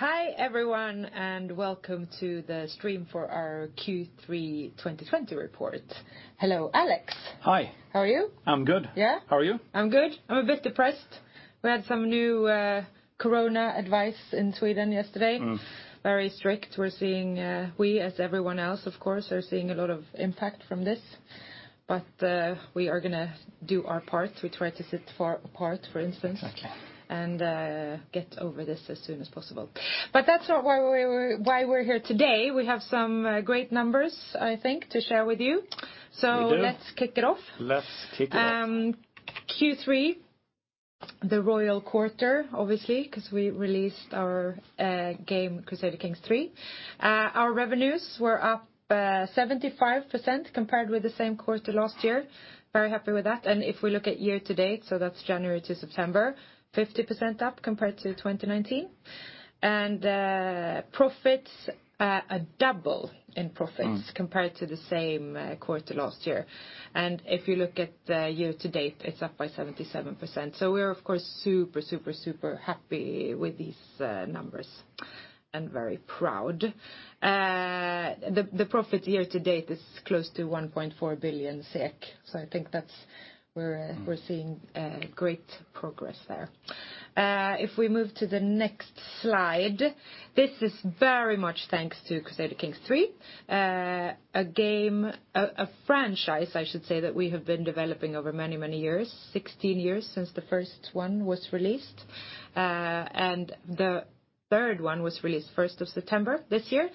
Hi, everyone. Welcome to the stream for our Q3 2020 report. Hello, Alex. Hi. How are you? I'm good. Yeah. How are you? I'm good. I'm a bit depressed. We had some new corona advice in Sweden yesterday. Very strict. We as everyone else, of course, are seeing a lot of impact from this, but we are going to do our part. We try to sit far apart, for instance. Okay Get over this as soon as possible. That's not why we're here today. We have some great numbers, I think, to share with you. We do. Let's kick it off. Let's kick it off. Q3, the royal quarter, obviously, because we released our game, Crusader Kings III. Our revenues were up 75% compared with the same quarter last year. Very happy with that, if we look at year-to-date, so that's January to September, 77% up compared to 2019. compared to the same quarter last year. If you look at the year to date, it's up by 77%. We're of course super happy with these numbers, and very proud. The revenue year to date is close to 1.4 billion SEK. I think that's where we're seeing great progress there. If we move to the next slide, this is very much thanks to Crusader Kings III, a game, a franchise I should say, that we have been developing over many years, 16 years since the first one was released. The third one was released 1st of September this year.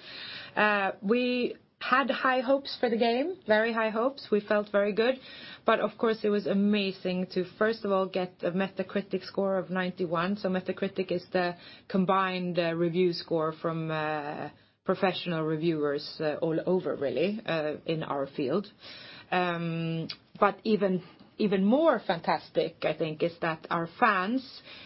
We had high hopes for the game, very high hopes. We felt very good, of course it was amazing to first of all get a Metacritic score of 91. Metacritic is the combined review score from professional reviewers all over, really, in our field. Even more fantastic, I think, is that our fans,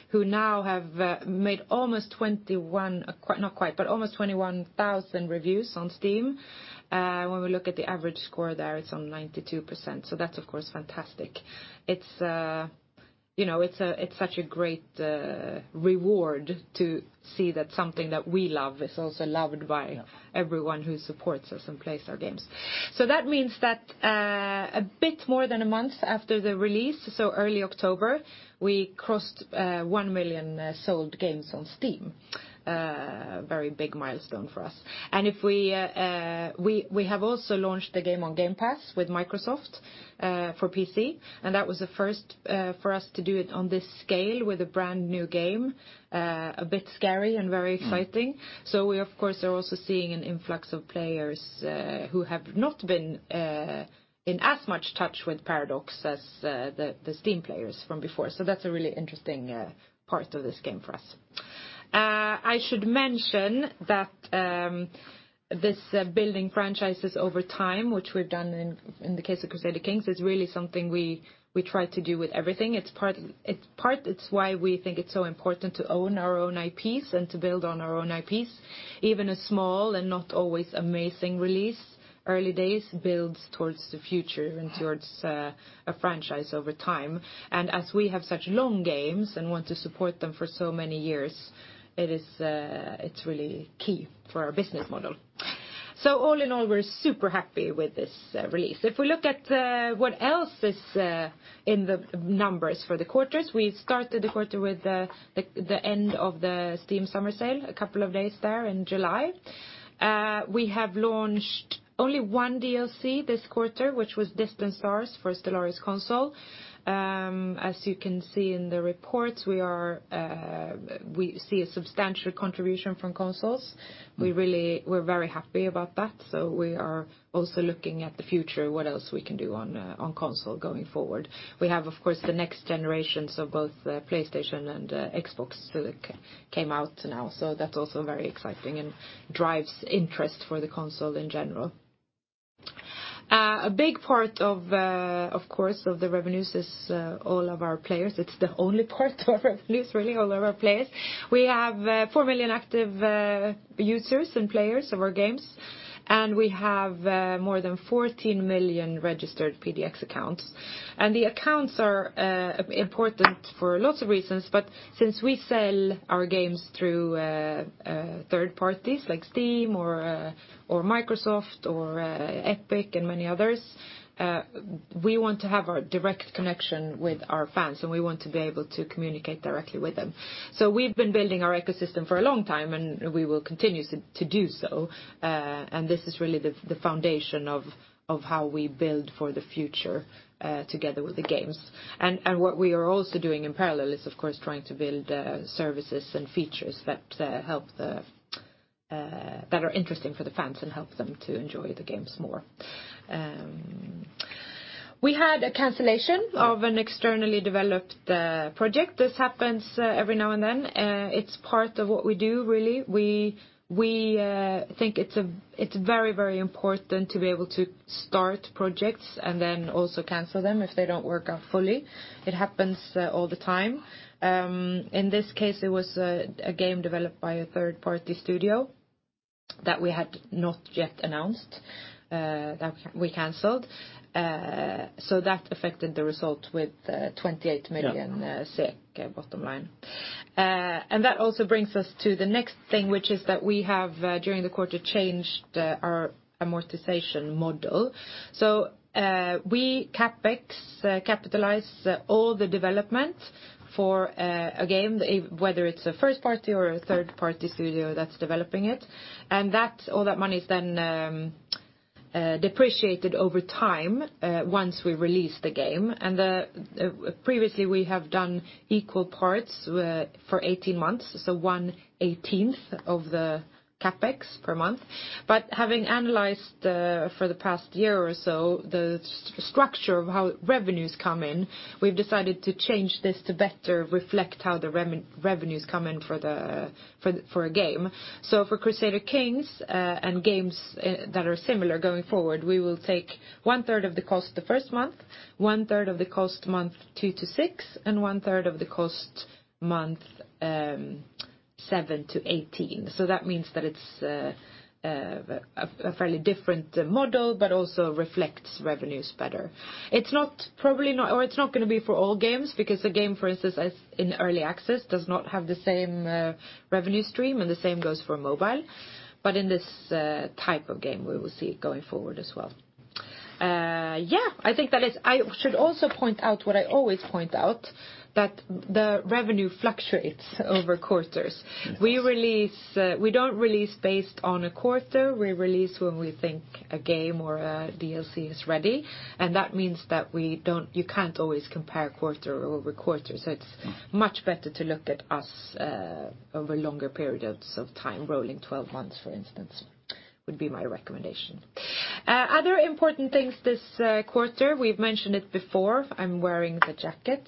who now have made almost 21, not quite, but almost 21,000 reviews on Steam. When we look at the average score there, it's on 92%. That's of course fantastic. It's such a great reward to see that something that we love is also loved by everyone who supports us and plays our games. That means that a bit more than a month after the release, so early October, we crossed 1 million sold games on Steam. A very big milestone for us. We have also launched the game on Game Pass with Microsoft for PC, and that was the first for us to do it on this scale with a brand-new game. A bit scary and very exciting. We of course are also seeing an influx of players who have not been in as much touch with Paradox as the Steam players from before. That's a really interesting part of this game for us. I should mention that this building franchises over time, which we've done in the case of Crusader Kings, is really something we try to do with everything. It's part that's why we think it's so important to own our own IPs and to build on our own IPs. Even a small and not always amazing release, early days, builds towards the future and towards a franchise over time. As we have such long games and want to support them for so many years, it's really key for our business model. All in all, we're super happy with this release. If we look at what else is in the numbers for the quarters, we started the quarter with the end of the Steam summer sale, a couple of days there in July. We have launched only one DLC this quarter, which was "Distant Stars" for "Stellaris" console. As you can see in the reports, we see a substantial contribution from consoles. We're very happy about that, so we are also looking at the future, what else we can do on console going forward. We have, of course, the next generations of both PlayStation and Xbox came out now, so that's also very exciting and drives interest for the console in general. A big part, of course, of the revenues is all of our players. It's the only part of our revenues, really, all of our players. We have 4 million active users and players of our games, and we have more than 14 million registered Paradox accounts. The accounts are important for lots of reasons. Since we sell our games through third parties like Steam or Microsoft or Epic and many others, we want to have a direct connection with our fans, and we want to be able to communicate directly with them. We've been building our ecosystem for a long time, and we will continue to do so. This is really the foundation of how we build for the future, together with the games. What we are also doing in parallel is of course trying to build services and features that are interesting for the fans and help them to enjoy the games more. We had a cancellation of an externally developed project. This happens every now and then. It's part of what we do, really. We think it's very important to be able to start projects and then also cancel them if they don't work out fully. It happens all the time. In this case, it was a game developed by a third-party studio that we had not yet announced that we canceled. That affected the result with 28 million bottom line. That also brings us to the next thing, which is that we have, during the quarter, changed our amortization model. We, CapEx, capitalize all the development for a game, whether it's a first party or a third-party studio that's developing it. All that money is then depreciated over time once we release the game. Previously we have done equal parts for 18 months. One eighteenth of the CapEx per month. Having analyzed for the past year or so the structure of how revenues come in, we've decided to change this to better reflect how the revenues come in for a game. For Crusader Kings, and games that are similar going forward, we will take 1/3 of the cost the first month, 1/3 of the cost month two to six, and 1/3 of the cost month seven to 18. That means that it's a fairly different model, but also reflects revenues better. It's not going to be for all games because a game, for instance, in early access does not have the same revenue stream, and the same goes for mobile. In this type of game, we will see it going forward as well. I should also point out what I always point out, that the revenue fluctuates over quarters. We don't release based on a quarter. We release when we think a game or a DLC is ready. That means that you can't always compare quarter-over-quarter. It's much better to look at us over longer periods of time. Rolling 12 months, for instance, would be my recommendation. Other important things this quarter, we've mentioned it before, I'm wearing the jacket.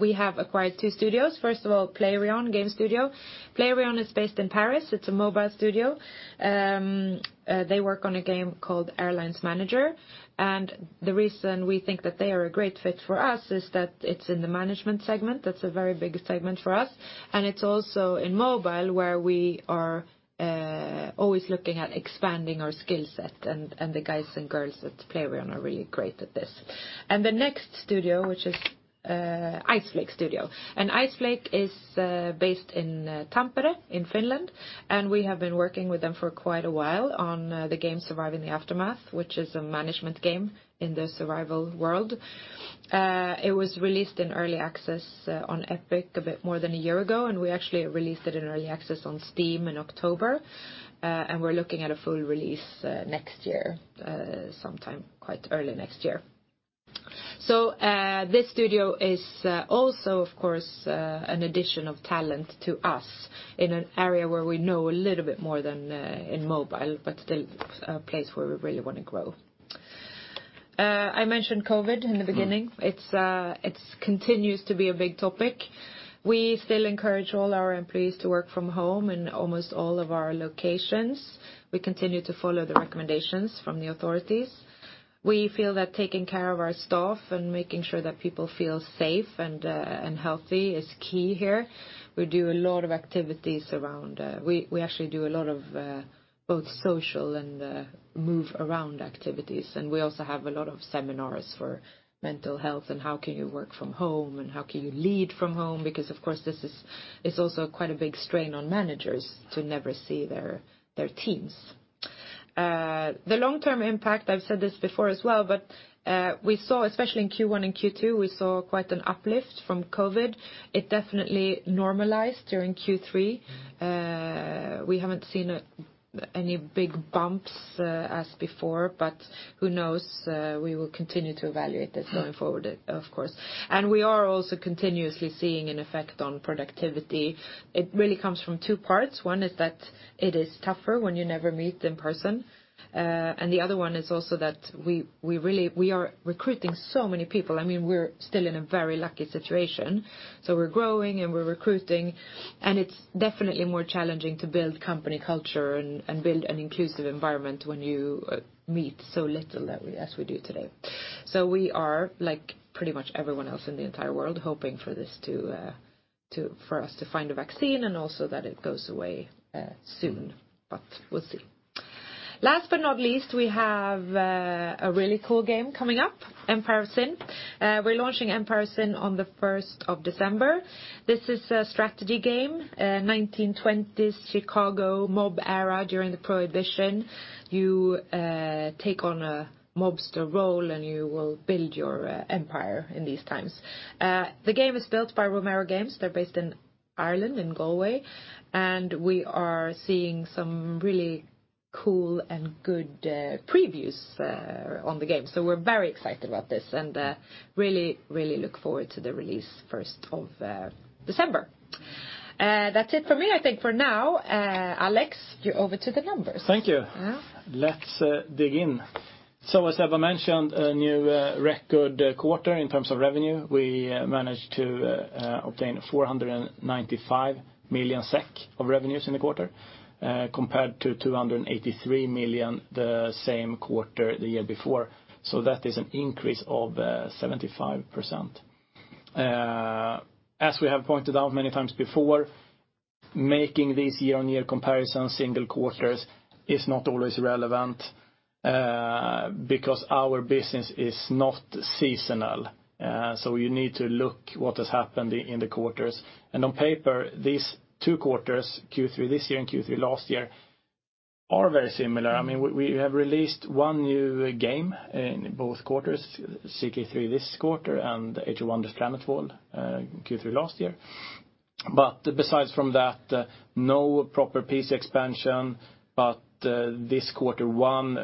We have acquired two studios. First of all, Playrion Game Studio. Playrion is based in Paris. It's a mobile studio. They work on a game called "Airlines Manager." The reason we think that they are a great fit for us is that it's in the management segment. That's a very big segment for us. It's also in mobile where we are always looking at expanding our skillset, and the guys and girls at Playrion are really great at this. The next studio, which is Iceflake Studios. Iceflake is based in Tampere in Finland. We have been working with them for quite a while on the game Surviving the Aftermath, which is a management game in the survival world. It was released in early access on Epic a bit more than one year ago, we actually released it in early access on Steam in October. We're looking at a full release next year, sometime quite early next year. This studio is also, of course, an addition of talent to us in an area where we know a little bit more than in mobile, but still a place where we really want to grow. I mentioned COVID in the beginning. It continues to be a big topic. We still encourage all our employees to work from home in almost all of our locations. We continue to follow the recommendations from the authorities. We feel that taking care of our staff and making sure that people feel safe and healthy is key here. We actually do a lot of both social and move-around activities. We also have a lot of seminars for mental health and how can you work from home and how can you lead from home, because of course, this is also quite a big strain on managers to never see their teams. The long-term impact, I've said this before as well, but especially in Q1 and Q2, we saw quite an uplift from COVID. It definitely normalized during Q3. We haven't seen any big bumps as before, but who knows? We will continue to evaluate this going forward, of course. We are also continuously seeing an effect on productivity. It really comes from two parts. One is that it is tougher when you never meet in person. The other one is also that we are recruiting so many people. We're still in a very lucky situation. We're growing and we're recruiting, and it's definitely more challenging to build company culture and build an inclusive environment when you meet so little as we do today. We are, like pretty much everyone else in the entire world, hoping for us to find a vaccine and also that it goes away soon. We'll see. Last but not least, we have a really cool game coming up, Empire of Sin. We're launching Empire of Sin on the 1st of December. This is a strategy game, 1920s Chicago mob era during the Prohibition. You take on a mobster role, and you will build your empire in these times. The game is built by Romero Games. They're based in Ireland, in Galway. We are seeing some really cool and good previews on the game. We're very excited about this and really look forward to the release 1st of December. That's it for me I think for now. Alex, over to the numbers. Thank you. Yeah. Let's dig in. As Ebba mentioned, a new record quarter in terms of revenue. We managed to obtain 495 million SEK of revenues in the quarter compared to 283 million the same quarter the year before. That is an increase of 75%. As we have pointed out many times before, making these year-over-year comparisons, single quarters is not always relevant because our business is not seasonal. You need to look what has happened in the quarters. On paper, these two quarters, Q3 this year and Q3 last year, are very similar. We have released one new game in both quarters, CK3 this quarter and Age of Wonders: Planetfall Q3 last year. Besides from that, no proper PC expansion, but this quarter one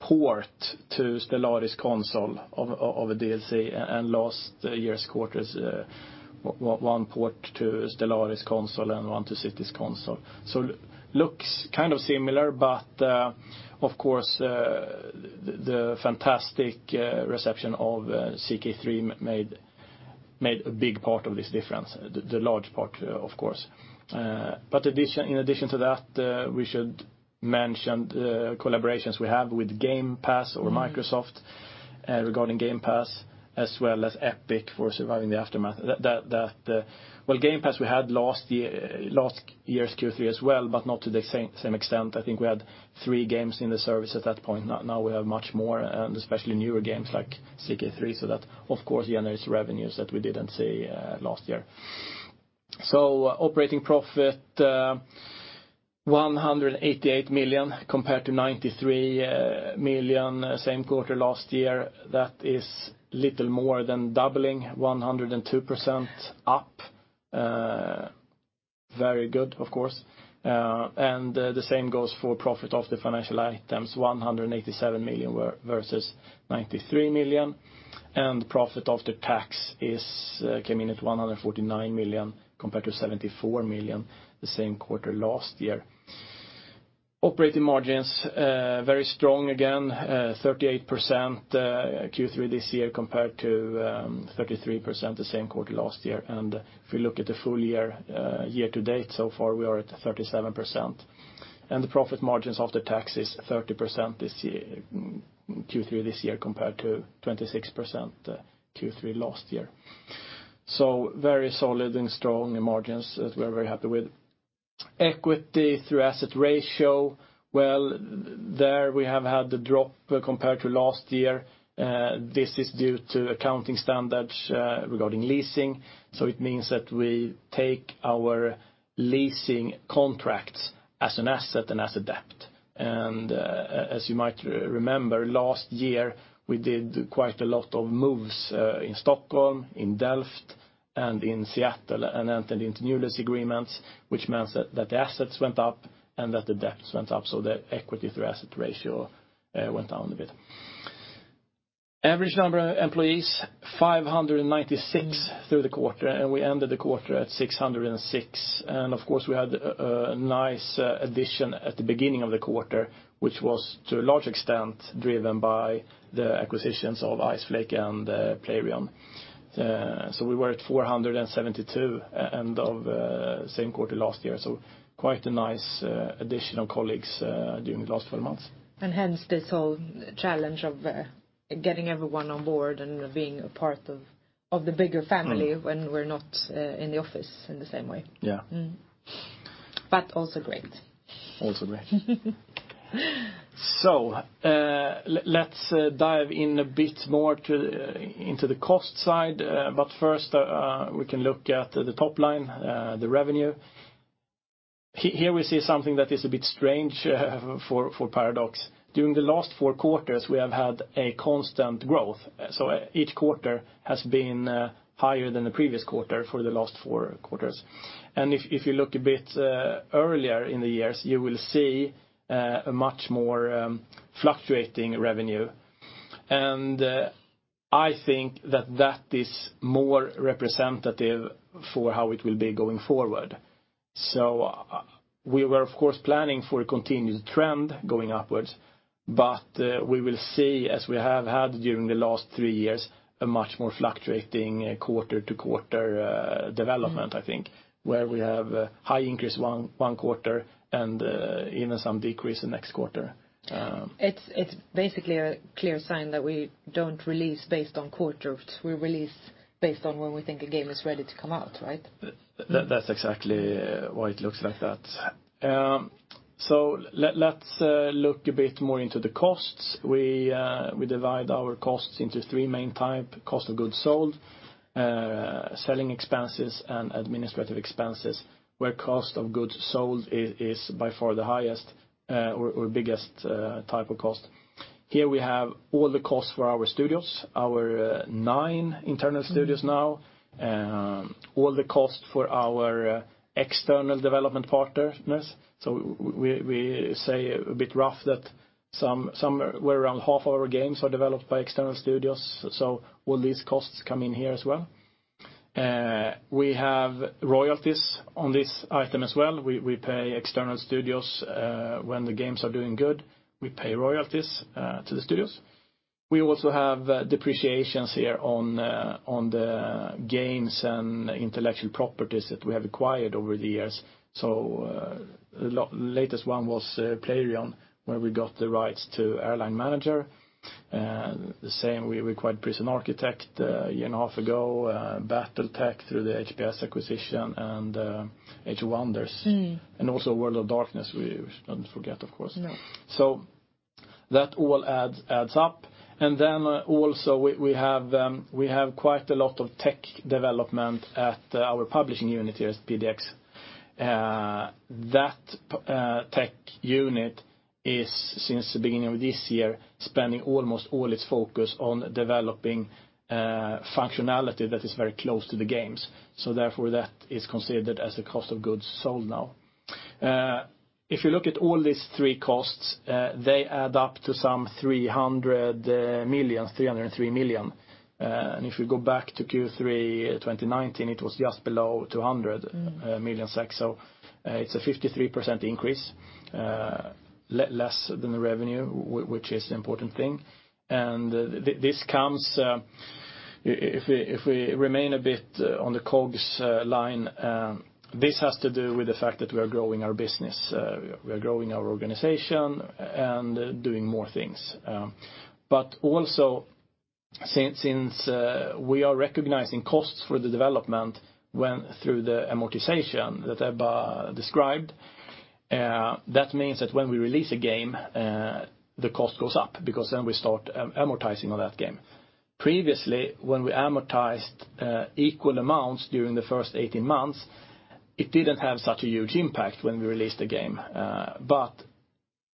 port to Stellaris Console of a DLC and last year's quarters, one port to Stellaris Console and one to Cities Console. Looks kind of similar but, of course, the fantastic reception of CK3 made a big part of this difference. The large part. In addition to that, we should mention collaborations we have with Game Pass or Microsoft regarding Game Pass, as well as Epic for Surviving the Aftermath. Game Pass we had last year's Q3 as well, but not to the same extent. I think we had three games in the service at that point. Now we have much more, and especially newer games like CK3, that, of course, generates revenues that we didn't see last year. Operating profit, 188 million compared to 93 million same quarter last year. That is little more than doubling, 102% up. Very good. The same goes for profit after financial items, 187 million versus 93 million, and profit after tax came in at 149 million compared to 74 million the same quarter last year. Operating margins very strong again, 38% Q3 this year compared to 33% the same quarter last year. If we look at the full year-to-date, so far, we are at 37%. The profit margins after tax is 30% Q3 this year compared to 26% Q3 last year. Very solid and strong margins that we're very happy with. Equity to asset ratio. Well, there we have had the drop compared to last year. This is due to accounting standards regarding leasing. It means that we take our leasing contracts as an asset and as a debt. As you might remember, last year, we did quite a lot of moves in Stockholm, in Delft, and in Seattle, and entered into new lease agreements, which meant that the assets went up and that the debts went up, so the equity to asset ratio went down a bit. Average number of employees, 596 through the quarter, and we ended the quarter at 606. Of course, we had a nice addition at the beginning of the quarter, which was to a large extent driven by the acquisitions of Iceflake and Playrion. We were at 472 end of same quarter last year, so quite a nice addition of colleagues during the last 12 months. Hence this whole challenge of getting everyone on board and being a part of the bigger family when we're not in the office in the same way. Yeah. Also great. Also great. Let's dive in a bit more into the cost side. First, we can look at the top line, the revenue. Here we see something that is a bit strange for Paradox. During the last four quarters, we have had a constant growth. Each quarter has been higher than the previous quarter for the last four quarters. If you look a bit earlier in the years, you will see a much more fluctuating revenue. I think that that is more representative for how it will be going forward. We were, of course, planning for a continued trend going upwards, but we will see, as we have had during the last three years, a much more fluctuating quarter-to-quarter development, I think, where we have high increase one quarter and even some decrease the next quarter. It's basically a clear sign that we don't release based on quarters, we release based on when we think a game is ready to come out, right? That's exactly why it looks like that. Let's look a bit more into the costs. We divide our costs into three main type: cost of goods sold, selling expenses, and administrative expenses, where cost of goods sold is by far the highest or biggest type of cost. Here we have all the costs for our studios, our nine internal studios now. All the cost for our external development partners. We say a bit rough that somewhere around half of our games are developed by external studios, so all these costs come in here as well. We have royalties on this item as well. We pay external studios when the games are doing good, we pay royalties to the studios. We also have depreciations here on the games and intellectual properties that we have acquired over the years. The latest one was Playrion, where we got the rights to "Airlines Manager."The same, we acquired Prison Architect a year and a half ago, BattleTech through the HBS acquisition, and Age of Wonders. Also World of Darkness, we shouldn't forget, of course. That all adds up. Then also we have quite a lot of tech development at our publishing unit here at Paradox Interactive. That tech unit is, since the beginning of this year, spending almost all its focus on developing functionality that is very close to the games. Therefore that is considered as a cost of goods sold now. If you look at all these three costs, they add up to some 303 million. If you go back to Q3 2019, it was just below 200 million. It's a 53% increase, less than the revenue, which is the important thing. This comes, if we remain a bit on the COGS line, this has to do with the fact that we are growing our business, we are growing our organization and doing more things. Also, since we are recognizing costs for the development through the amortization that Ebba described, that means that when we release a game, the cost goes up because then we start amortizing on that game. Previously, when we amortized equal amounts during the first 18 months, it didn't have such a huge impact when we released a game.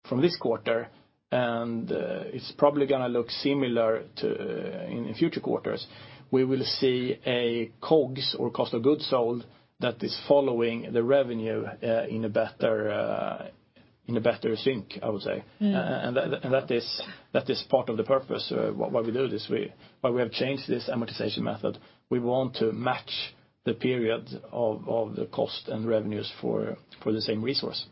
From this quarter, and it's probably going to look similar in future quarters, we will see a COGS, or cost of goods sold, that is following the revenue in a better sync, I would say. That is part of the purpose why we do this, why we have changed this amortization method. We want to match the period of the cost and revenues for the same resource.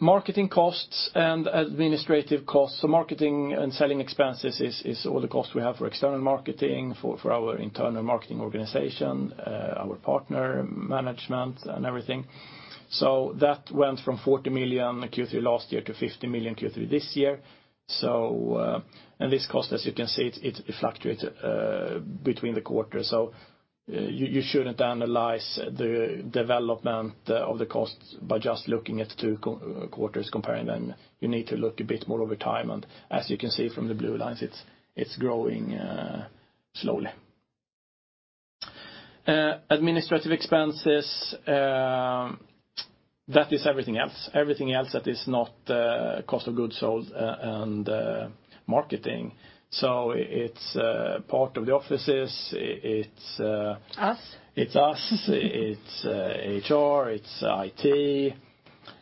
Marketing costs and administrative costs. Marketing and selling expenses is all the costs we have for external marketing, for our internal marketing organization, our partner management and everything. That went from 14 million Q3 last year to 50 million Q3 this year. This cost, as you can see, it fluctuates between the quarters. You shouldn't analyze the development of the costs by just looking at two quarters comparing them. You need to look a bit more over time. As you can see from the blue lines, it's growing slowly. Administrative expenses, that is everything else. Everything else that is not cost of goods sold and marketing. It's part of the offices. it's us, it's HR, it's IT,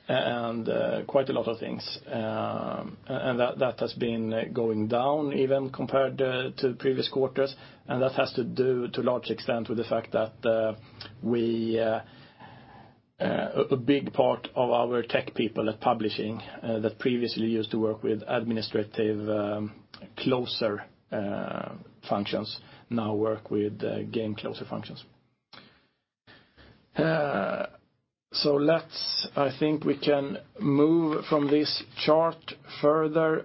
and quite a lot of things. That has been going down even compared to previous quarters, that has to do to a large extent with the fact that a big part of our tech people at publishing that previously used to work with administrative closer functions now work with game closer functions. I think we can move from this chart further.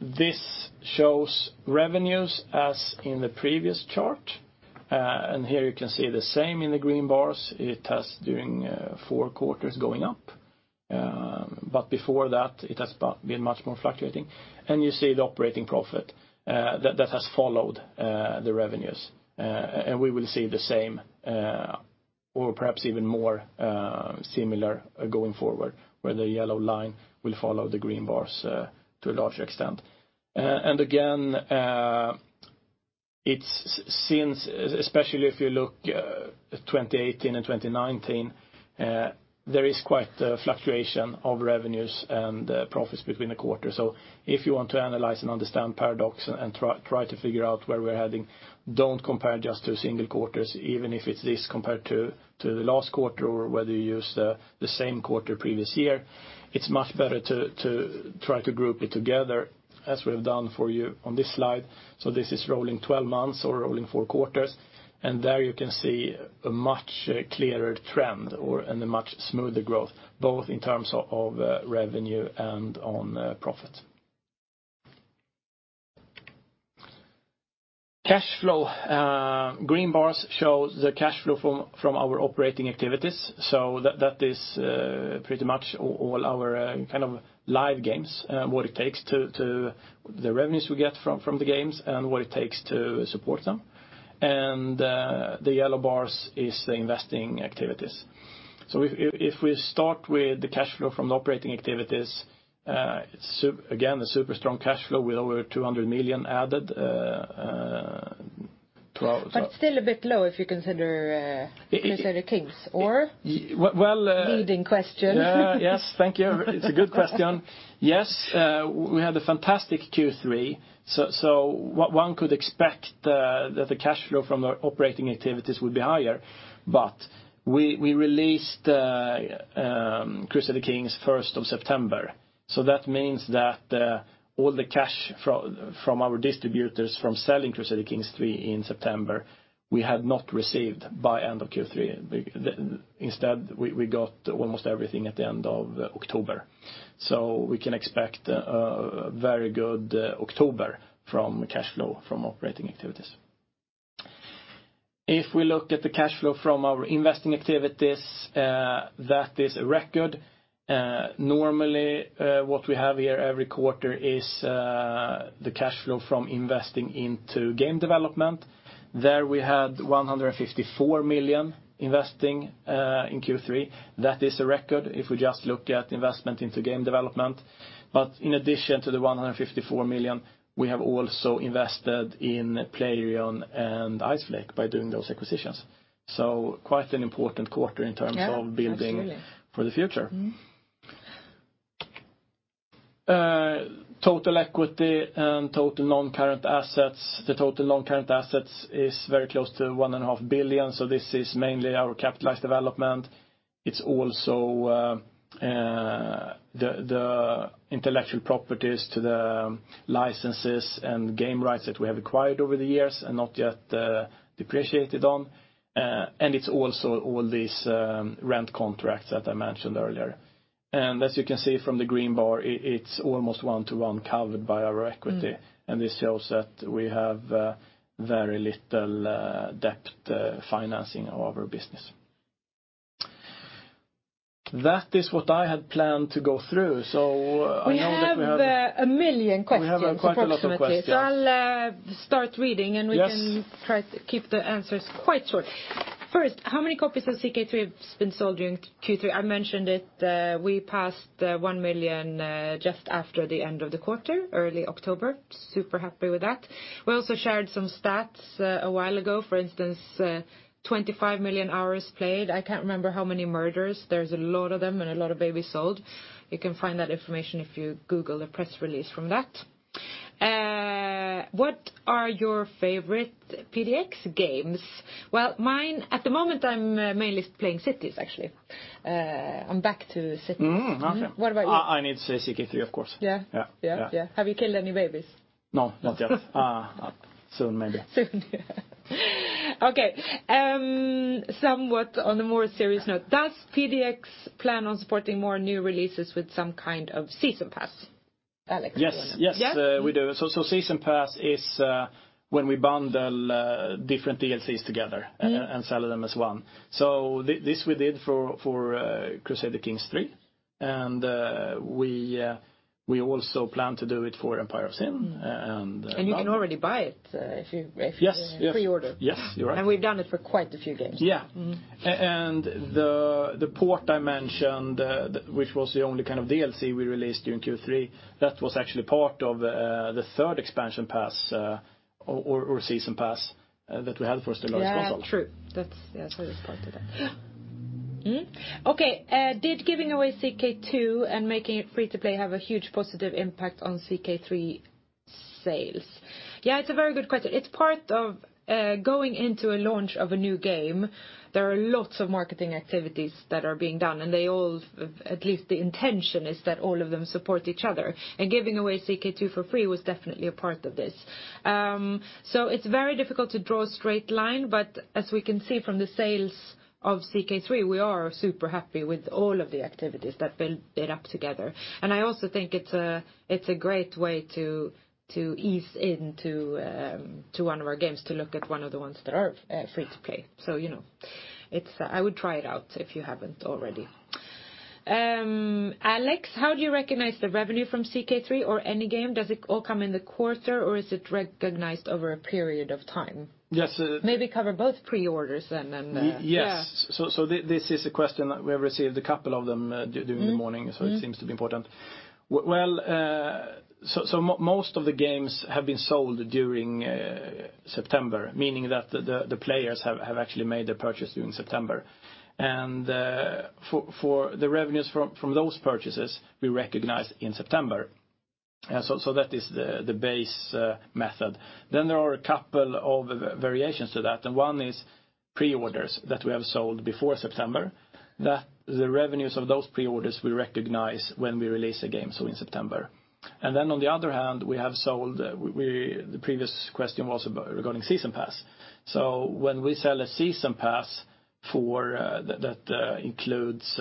This shows revenues as in the previous chart. Here you can see the same in the green bars. It has, during four quarters, going up. Before that, it has been much more fluctuating. You see the operating profit that has followed the revenues. We will see the same, or perhaps even more similar going forward, where the yellow line will follow the green bars to a large extent. Again, especially if you look 2018 and 2019, there is quite a fluctuation of revenues and profits between the quarters. If you want to analyze and understand Paradox and try to figure out where we're heading, don't compare just to single quarters, even if it's this compared to the last quarter or whether you use the same quarter previous year. It's much better to try to group it together, as we have done for you on this slide. This is rolling 12 months or rolling four quarters, and there you can see a much clearer trend and a much smoother growth, both in terms of revenue and on profit. Cash flow. Green bars show the cash flow from our operating activities. That is pretty much all our kind of live games, the revenues we get from the games and what it takes to support them. The yellow bars is the investing activities. If we start with the cash flow from the operating activities, again, a super strong cash flow with over 200 million added. Still a bit low if you consider "Kings." Or? Well- Leading question. Yes. Thank you. It's a good question. Yes, we had a fantastic Q3. One could expect that the cash flow from our operating activities would be higher. We released "Crusader Kings" 1st of September. That means that all the cash from our distributors from selling Crusader Kings III in September, we had not received by end of Q3. Instead, we got almost everything at the end of October. We can expect a very good October from cash flow from operating activities. If we look at the cash flow from our investing activities, that is a record. Normally, what we have here every quarter is the cash flow from investing into game development. There we had 154 million investing in Q3. That is a record if we just look at investment into game development. In addition to the 154 million, we have also invested in Playrion and Iceflake by doing those acquisitions. Quite an important quarter in terms of- Yeah, absolutely. building for the future. Total equity and total non-current assets. The total non-current assets is very close to 1.5 billion. This is mainly our capitalized development. It's also the intellectual properties to the licenses and game rights that we have acquired over the years and not yet depreciated on. It's also all these rent contracts that I mentioned earlier. As you can see from the green bar, it's almost one-to-one covered by our equity. This shows that we have very little debt financing our business. That is what I had planned to go through. We have 1 million questions, unfortunately. We have quite a lot of questions. I'll start reading, and we can- Yes try to keep the answers quite short. First, how many copies has CK3 been sold during Q3? I mentioned it. We passed 1 million just after the end of the quarter, early October. Super happy with that. We also shared some stats a while ago, for instance, 25 million hours played. I can't remember how many murders. There's a lot of them and a lot of babies sold. You can find that information if you Google the press release from that. What are your favorite Paradox Interactive games? Well, mine, at the moment, I'm mainly playing Cities, actually. I'm back to Cities. Mm-hmm, okay. What about you? I need to say CK3, of course. Yeah? Yeah. Have you killed any babies? No, not yet. Soon, maybe. Soon. Okay. Somewhat on a more serious note, does Paradox Interactive plan on supporting more new releases with some kind of season pass? Alex, do you want to- Yes. Yeah? We do. Season pass is when we bundle different DLCs together and sell them as one. This we did for Crusader Kings III, we also plan to do it for Empire of Sin. You can already buy it. Yes preorder. Yes, you're right. We've done it for quite a few games. Yeah. The port I mentioned, which was the only kind of DLC we released during Q3, that was actually part of the third expansion pass or season pass that we had for Stellaris Console. Yeah, true. That's, yeah, I was pointed that. Okay. Did giving away CK2 and making it free-to-play have a huge positive impact on CK3 sales? Yeah, it's a very good question. It's part of going into a launch of a new game, there are lots of marketing activities that are being done, and they all, at least the intention is that all of them support each other. Giving away CK2 for free was definitely a part of this. It's very difficult to draw a straight line, but as we can see from the sales of CK3, we are super happy with all of the activities that build it up together, and I also think it's a great way to ease into one of our games to look at one of the ones that are free-to-play. I would try it out if you haven't already. Alex, how do you recognize the revenue from CK3 or any game? Does it all come in the quarter, or is it recognized over a period of time? Yes- Maybe cover both preorders then. Yes. Yeah. This is a question that we have received a couple of them during the morning. It seems to be important. Well, most of the games have been sold during September, meaning that the players have actually made their purchase during September. For the revenues from those purchases, we recognize in September. That is the base method. There are a couple of variations to that, and one is preorders that we have sold before September. The revenues of those preorders we recognize when we release a game, so in September. On the other hand, the previous question was regarding season pass. When we sell a season pass that includes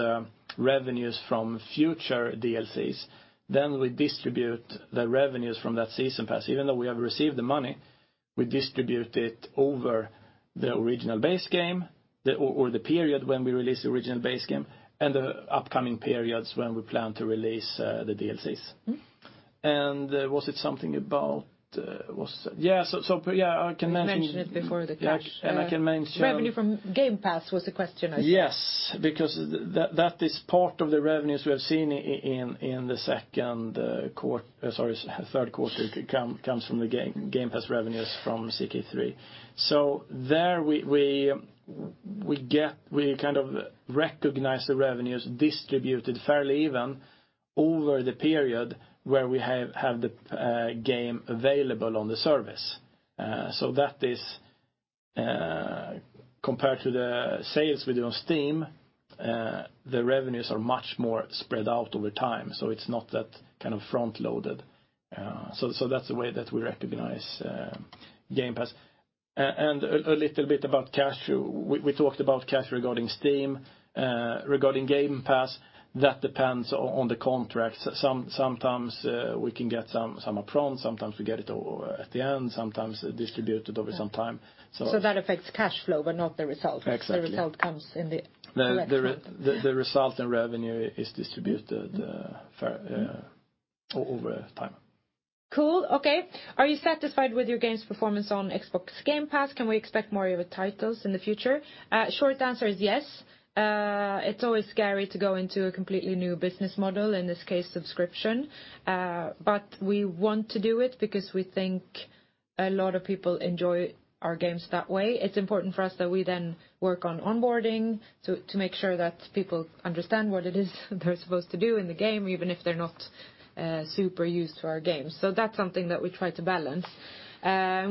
revenues from future DLCs, we distribute the revenues from that season pass. We have received the money, we distribute it over the original base game or the period when we release the original base game and the upcoming periods when we plan to release the DLCs. And was it something about-- Yeah, so I can mention- You mentioned it before the cash. Yeah. Revenue from Game Pass was the question, I think. Because that is part of the revenues we have seen in the third quarter, comes from the Game Pass revenues from CK3. There we kind of recognize the revenues distributed fairly even over the period where we have the game available on the service. Compared to the sales we do on Steam, the revenues are much more spread out over time, so it's not that front-loaded. That's the way that we recognize Game Pass. A little bit about cash. We talked about cash regarding Steam. Regarding Game Pass, that depends on the contract. Sometimes we can get some upfront, sometimes we get it all at the end, sometimes distributed over some time. That affects cash flow but not the result. Exactly. The result comes in the collection. No, the result and revenue is distributed over time. Cool. Okay. Are you satisfied with your games performance on Xbox Game Pass? Can we expect more of your titles in the future? Short answer is yes. It's always scary to go into a completely new business model, in this case, subscription. We want to do it because we think a lot of people enjoy our games that way. It's important for us that we then work on onboarding to make sure that people understand what it is they're supposed to do in the game, even if they're not super used to our games. That's something that we try to balance.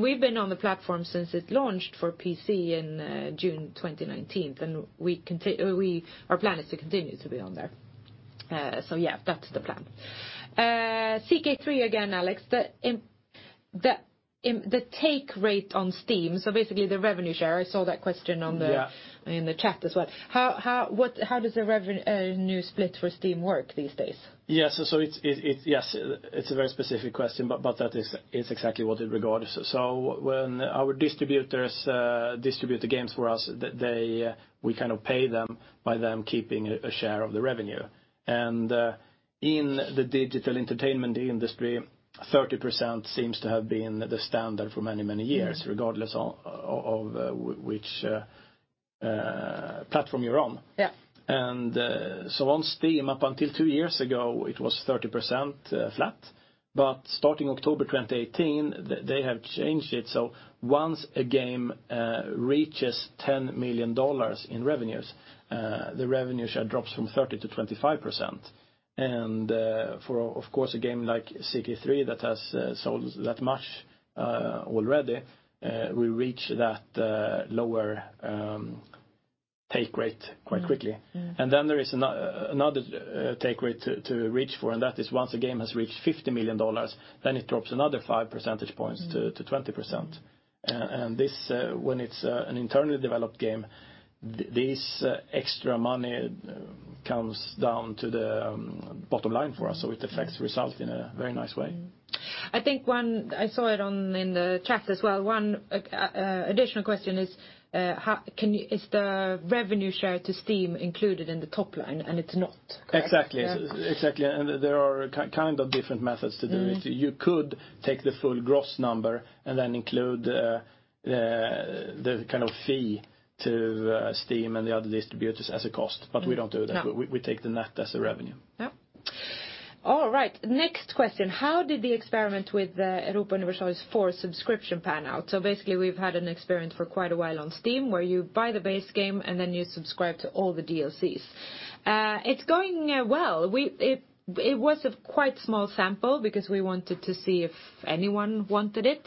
We've been on the platform since it launched for PC in June 2019, and our plan is to continue to be on there. Yeah, that's the plan. CK3 again, Alex. The take rate on Steam, so basically the revenue share. Yeah in the chat as well. How does the revenue split for Steam work these days? Yes, it's a very specific question, but that is exactly what it regards. When our distributors distribute the games for us, we kind of pay them by them keeping a share of the revenue. In the digital entertainment industry, 30% seems to have been the standard for many, many years, regardless of which platform you're on. Yeah. On Steam, up until two years ago, it was 30% flat. Starting October 2018, they have changed it. Once a game reaches SEK 10 million in revenues, the revenue share drops from 30% to 25%. For, of course, a game like CK3 that has sold that much already, we reach that lower take rate quite quickly. There is another take rate to reach for, and that is once a game has reached SEK 50 million, then it drops another 5 percentage points to 20%. When it's an internally developed game, this extra money comes down to the bottom line for us, so it affects results in a very nice way. I saw it in the chat as well. One additional question is the revenue share to Steam included in the top line? It's not, correct? Exactly. There are kind of different methods to do it. You could take the full gross number and then include the fee to Steam and the other distributors as a cost, but we don't do that. No. We take the net as a revenue. Yep. All right. Next question. How did the experiment with Europa Universalis IV subscription pan out? Basically, we've had an experiment for quite a while on Steam where you buy the base game and then you subscribe to all the DLCs. It's going well. It was a quite small sample because we wanted to see if anyone wanted it.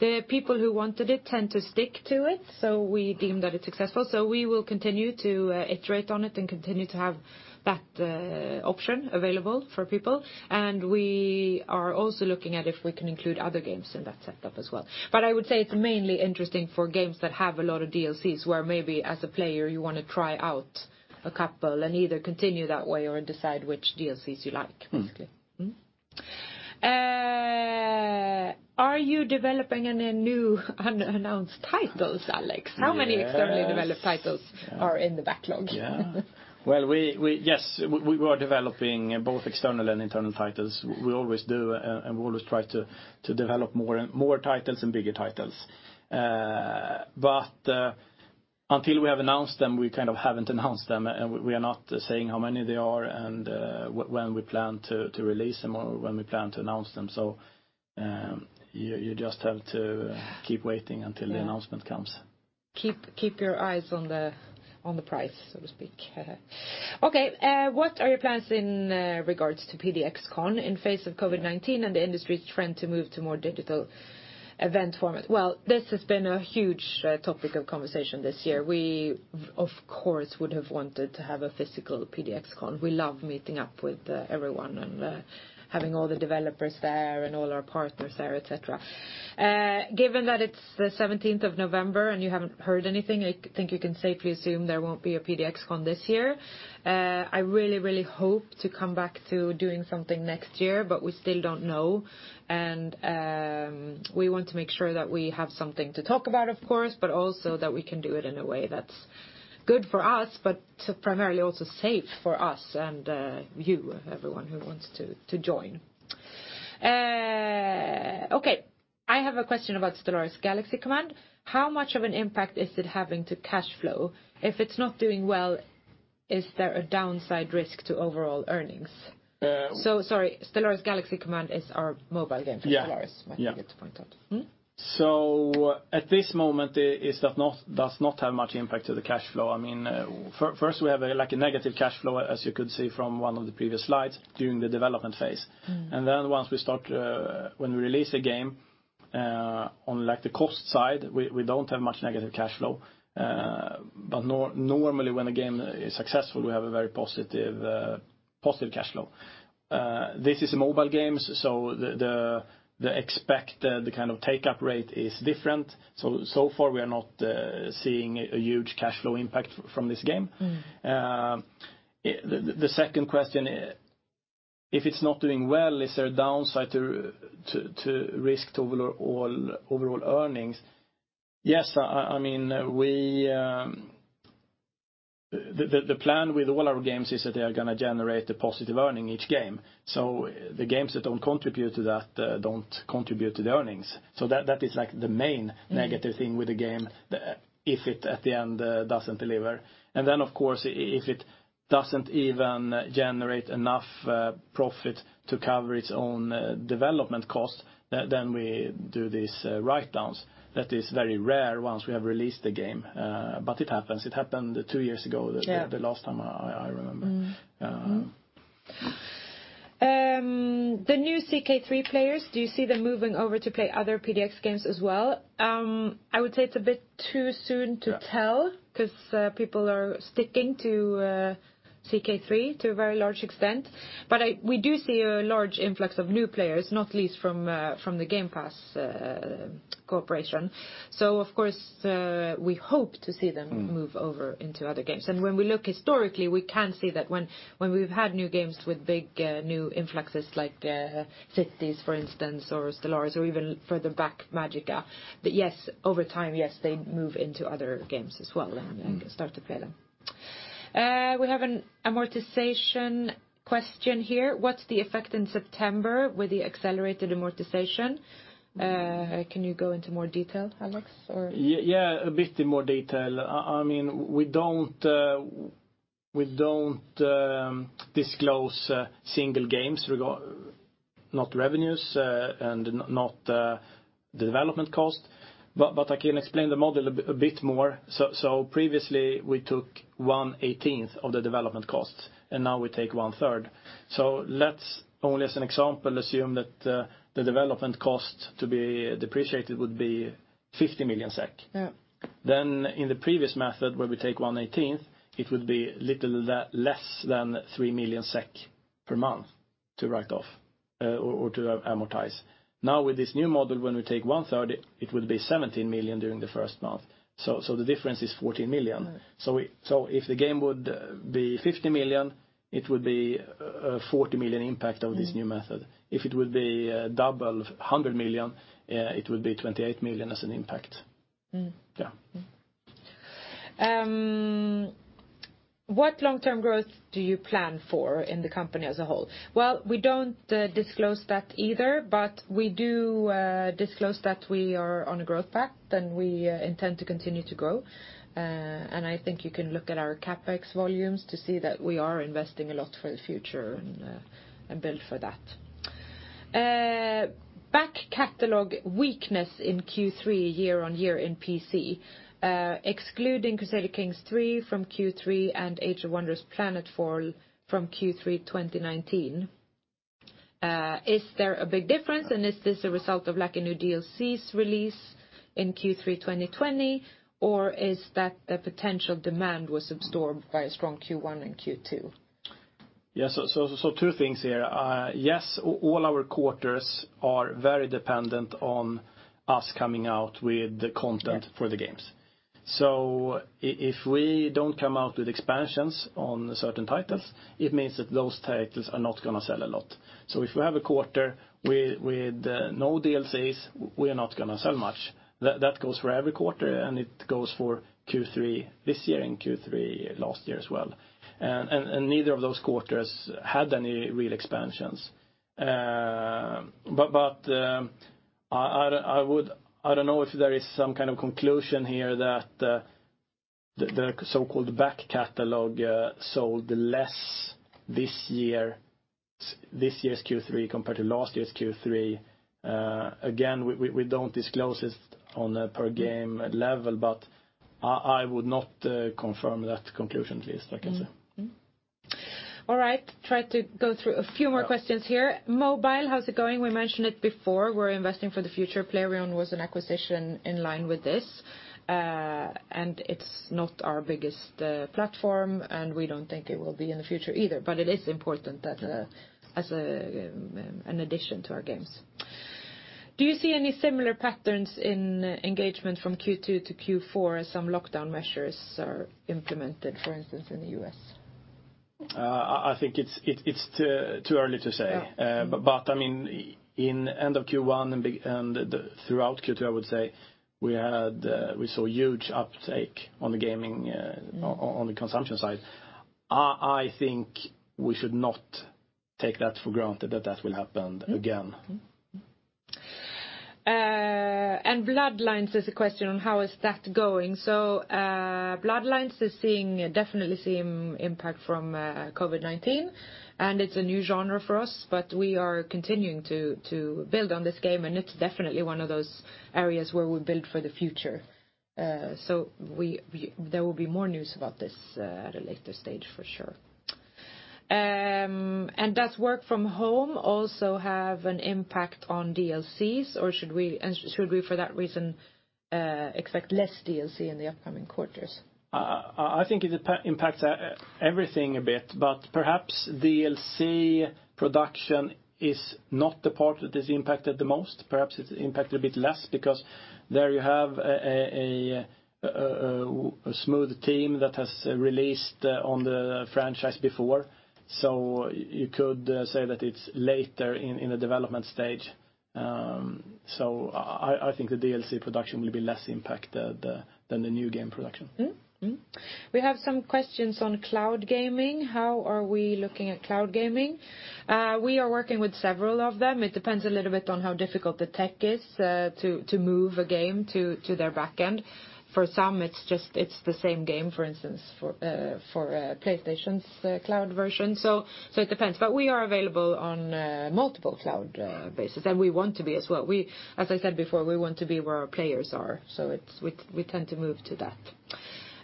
The people who wanted it tend to stick to it, so we deemed that it's successful. We will continue to iterate on it and continue to have that option available for people. We are also looking at if we can include other games in that setup as well. I would say it's mainly interesting for games that have a lot of DLCs, where maybe as a player, you want to try out a couple and either continue that way or decide which DLCs you like, basically. Mm-hmm. Are you developing any new unannounced titles, Alex? Yes. How many externally developed titles are in the backlog? Yes, we are developing both external and internal titles. We always do. We always try to develop more titles and bigger titles. Until we have announced them, we kind of haven't announced them, and we are not saying how many there are and when we plan to release them or when we plan to announce them. You just have to keep waiting until the announcement comes. Keep your eyes on the price, so to speak. Okay. What are your plans in regards to PDXCON in face of COVID-19 and the industry's trend to move to more digital event format? Well, this has been a huge topic of conversation this year. We, of course, would have wanted to have a physical PDXCON. We love meeting up with everyone and having all the developers there and all our partners there, et cetera. Given that it's the 17th of November and you haven't heard anything, I think you can safely assume there won't be a PDXCON this year. I really hope to come back to doing something next year, but we still don't know. We want to make sure that we have something to talk about, of course, but also that we can do it in a way that's good for us, but primarily also safe for us and you, everyone who wants to join. Okay. I have a question about Stellaris: Galaxy Command. How much of an impact is it having to cash flow? If it's not doing well, is there a downside risk to overall earnings? Sorry, Stellaris: Galaxy Command is our mobile game- Yeah for Stellaris, I might forget to point out. Mm-hmm. At this moment, it does not have much impact to the cash flow. First, we have a negative cash flow, as you could see from one of the previous slides, during the development phase. Once when we release a game. On the cost side, we don't have much negative cash flow. Normally when a game is successful, we have a very positive cash flow. This is a mobile game, so the expected kind of take-up rate is different. So far, we are not seeing a huge cash flow impact from this game. The second question, if it's not doing well, is there a downside to risk to overall earnings? Yes. The plan with all our games is that they are going to generate a positive earning each game. The games that don't contribute to that don't contribute to the earnings. That is the main negative thing with the game if it, at the end, doesn't deliver. Of course, if it doesn't even generate enough profit to cover its own development cost, then we do these write-downs. That is very rare once we have released the game, but it happens. It happened two years ago. Yeah the last time I remember. The new CK3 players, do you see them moving over to play other Paradox Interactive games as well? I would say it's a bit too soon to tell- Yeah because people are sticking to CK3 to a very large extent. We do see a large influx of new players, not least from the Game Pass cooperation. Of course, we hope to see them. Move over into other games. When we look historically, we can see that when we've had new games with big new influxes like Cities, for instance, or Stellaris, or even further back, Magicka, that over time, yes, they move into other games as well and start to play them. We have an amortization question here. What's the effect in September with the accelerated amortization? Can you go into more detail, Alex? Yeah, a bit in more detail. We don't disclose single games, not revenues and not development cost, but I can explain the model a bit more. Previously, we took one eighteenth of the development cost, and now we take 1/3. Let's, only as an example, assume that the development cost to be depreciated would be 50 million SEK. Yeah. In the previous method, where we take one eighteenth, it would be little less than 3 million SEK per month to write off or to amortize. Now, with this new model, when we take 1/3, it would be 17 million during the first month. The difference is 14 million. If the game would be 50 million, it would be a 40 million impact of this new method. If it would be double, 100 million, it would be 28 million as an impact. Yeah. What long-term growth do you plan for in the company as a whole? Well, we don't disclose that either, but we do disclose that we are on a growth path, and we intend to continue to grow. I think you can look at our CapEx volumes to see that we are investing a lot for the future and build for that. Back catalog weakness in Q3 year-on-year in PC, excluding Crusader Kings III from Q3 and Age of Wonders: Planetfall from Q3 2019. Is there a big difference, and is this a result of a new DLC's release in Q3 2020, or is that the potential demand was absorbed by a strong Q1 and Q2? Yeah. Two things here. Yes, all our quarters are very dependent on us coming out with the content for the games. Yeah. If we don't come out with expansions on certain titles, it means that those titles are not going to sell a lot. If we have a quarter with no DLCs, we are not going to sell much. That goes for every quarter, and it goes for Q3 this year and Q3 last year as well. Neither of those quarters had any real expansions. I don't know if there is some kind of conclusion here that the so-called back catalog sold less this year's Q3 compared to last year's Q3. Again, we don't disclose this on a per game level, but I would not confirm that conclusion at least, I can say. All right. Try to go through a few more questions here. Mobile, how's it going? We mentioned it before. We're investing for the future. Playrion was an acquisition in line with this, and it's not our biggest platform, and we don't think it will be in the future either. It is important as an addition to our games. Do you see any similar patterns in engagement from Q2 to Q4 as some lockdown measures are implemented, for instance, in the U.S.? I think it's too early to say. Oh, okay. In end of Q1 and throughout Q2, I would say, we saw huge uptake on the gaming on the consumption side. I think we should not take that for granted that that will happen again. Bloodlines, there's a question on how is that going. Bloodlines is definitely seeing impact from COVID-19, and it's a new genre for us, but we are continuing to build on this game, and it's definitely one of those areas where we build for the future. There will be more news about this at a later stage for sure. Does work from home also have an impact on DLCs, and should we, for that reason, expect less DLC in the upcoming quarters? I think it impacts everything a bit, but perhaps DLC production is not the part that is impacted the most. Perhaps it's impacted a bit less because there you have a smooth team that has released on the franchise before. You could say that it's later in the development stage. I think the DLC production will be less impacted than the new game production. We have some questions on cloud gaming. How are we looking at cloud gaming? We are working with several of them. It depends a little bit on how difficult the tech is to move a game to their back end. For some, it's the same game, for instance, for PlayStation's cloud version. It depends, but we are available on multiple cloud bases, and we want to be as well. As I said before, we want to be where our players are, so we tend to move to that.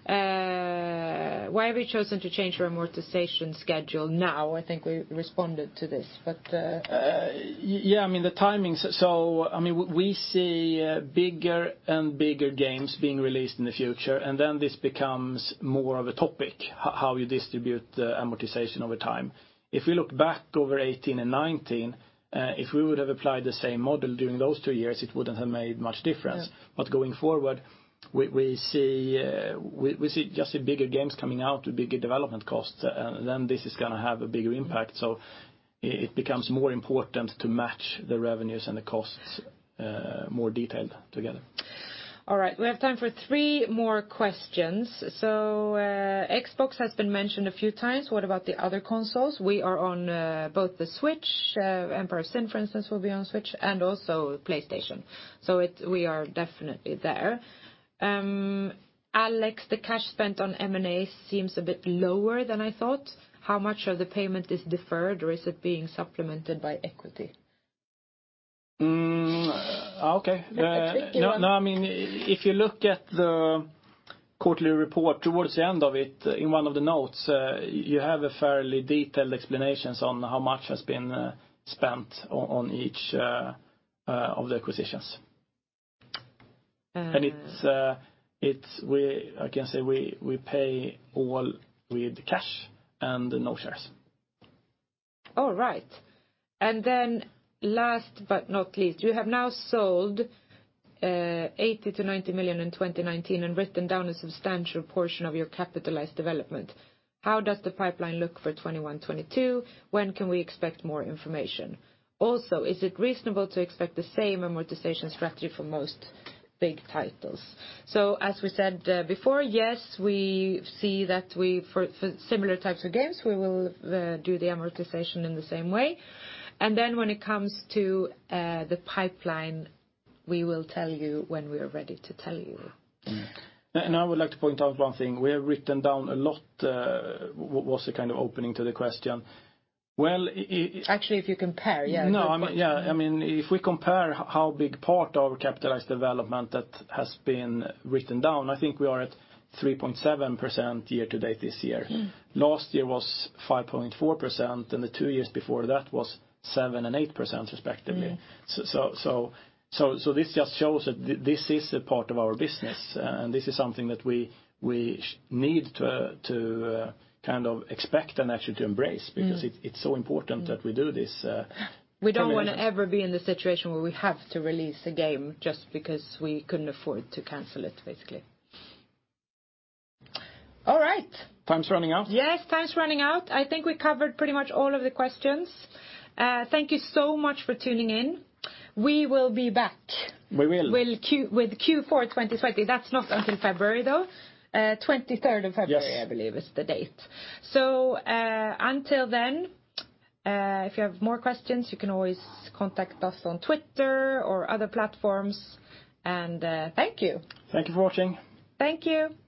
Why have we chosen to change our amortization schedule now? I think we responded to this. Yeah, the timings. We see bigger and bigger games being released in the future, and then this becomes more of a topic, how you distribute the amortization over time. If we look back over 2018 and 2019, if we would have applied the same model during those two years, it wouldn't have made much difference. Yeah. Going forward, we see just bigger games coming out with bigger development costs, and then this is going to have a bigger impact. It becomes more important to match the revenues and the costs more detailed together. All right. We have time for three more questions. Xbox has been mentioned a few times. What about the other consoles? We are on both the Switch, "Empire of Sin," for instance, will be on Switch, and also PlayStation. We are definitely there. Alex, the cash spent on M&A seems a bit lower than I thought. How much of the payment is deferred, or is it being supplemented by equity? Okay. That's a tricky one. If you look at the quarterly report, towards the end of it, in one of the notes, you have fairly detailed explanations on how much has been spent on each of the acquisitions. I can say we pay all with cash and no shares. All right. Last but not least, you have now sold 80 million-90 million in 2019 and written down a substantial portion of your capitalized development. How does the pipeline look for 2021, 2022? When can we expect more information? Is it reasonable to expect the same amortization strategy for most big titles? As we said before, yes, we see that for similar types of games, we will do the amortization in the same way. When it comes to the pipeline, we will tell you when we are ready to tell you. I would like to point out one thing. We have written down a lot, was the kind of opening to the question. Actually, if you compare, yeah. No, if we compare how big part of our capitalized development that has been written down, I think we are at 3.7% year to date this year. Last year was 5.4%, and the two years before that was 7% and 8% respectively. This just shows that this is a part of our business, and this is something that we need to kind of expect and actually embrace. Because it's so important that we do this. We don't want to ever be in the situation where we have to release a game just because we couldn't afford to cancel it, basically. All right. Time's running out. Yes, time's running out. I think we covered pretty much all of the questions. Thank you so much for tuning in. We will be back. We will. with Q4 2020. That's not until February, though. 23rd of February. Yes I believe is the date. Until then, if you have more questions, you can always contact us on Twitter or other platforms, and thank you. Thank you for watching. Thank you. Bye